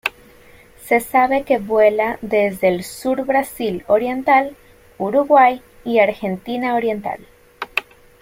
Se sabe que vuela desde el sur-Brasil oriental, Uruguay y Argentina oriental.